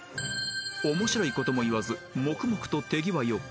［面白いことも言わず黙々と手際よく］